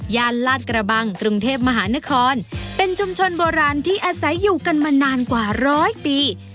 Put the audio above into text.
ลาดกระบังกรุงเทพมหานครเป็นชุมชนโบราณที่อาศัยอยู่กันมานานกว่าร้อยปี